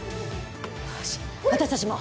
よし私たちも。